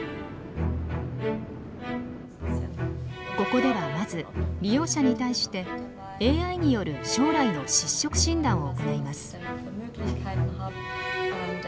ここではまず利用者に対してＡＩによる将来の失職診断を行います。